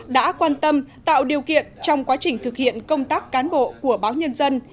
đã quan tâm tạo điều kiện trong quá trình thực hiện công tác cán bộ của báo nhân dân